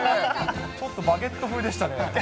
ちょっとバゲッド風でしたね。